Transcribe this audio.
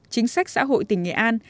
chính sách xã hội tỉnh nghệ an